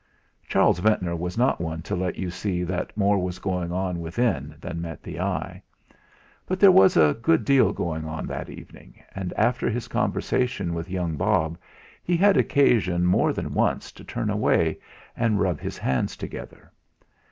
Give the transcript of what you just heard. Charles Ventnor was not one to let you see that more was going on within than met the eye. But there was a good deal going on that evening, and after his conversation with young Bob he had occasion more than once to turn away and rub his hands together.